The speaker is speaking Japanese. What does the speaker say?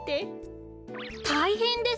たいへんです！